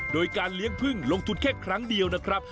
โดยการเลี้ยงพึ่งลงทุนแค่ครั้งเดียวนะครับ